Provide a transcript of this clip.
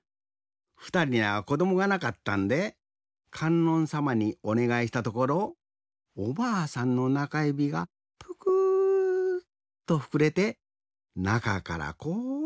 ふたりにゃこどもがなかったんでかんのんさまにおねがいしたところおばあさんのなかゆびがプクーッとふくれてなかからこー